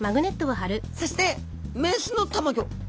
そして雌のたまギョ。